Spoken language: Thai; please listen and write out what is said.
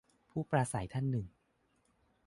- ผู้ปราศัยท่านหนึ่ง